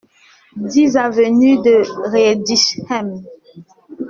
dix avenue de Riedisheim